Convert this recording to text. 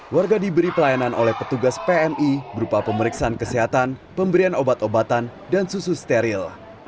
warga diberi pelayanan oleh petugas pmi berupa pemeriksaan kesehatan pemberian obat obatan dan susu steril